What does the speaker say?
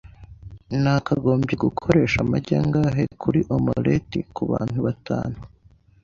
Nakagombye gukoresha amagi angahe kuri omelet kubantu batanu?